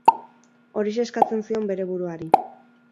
Horixe eskatzen zion bere buruari.